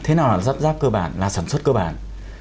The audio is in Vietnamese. thế nào là rắp ráp cơ bản là sản xuất cơ bản